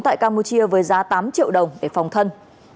tại campuchia với giá tám triệu đồng để phòng thân